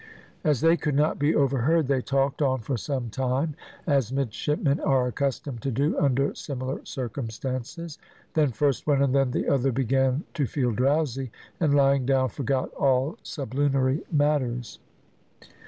As they could not be overheard they talked on for some time, as midshipmen are accustomed to do under similar circumstances, then first one and then the other began to feel drowsy, and lying down forgot all sublunary matters.